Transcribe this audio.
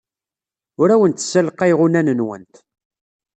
Ur awent-ssalqayeɣ unan-nwent.